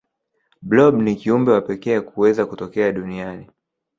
blob ni kiumbe wa pekee kuweza kutokea duniani